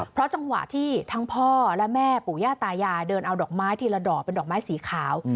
เพราะจังหวะที่ทั้งพ่อและแม่ปู่ย่าตายายเดินเอาดอกไม้ทีละดอกเป็นดอกไม้สีขาว